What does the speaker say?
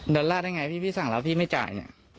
ดอลลาร์ยังไงฟหาร์พี่สั่งแล้วไม่จ่าย